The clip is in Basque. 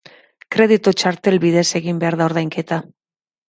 Kreditu txartel bidez egin behar da ordainketa.